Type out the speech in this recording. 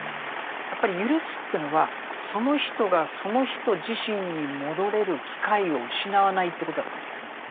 やっぱりゆるすというのはその人がその人自身に戻れる機会を失わないということだと思うんですね。